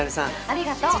ありがとう。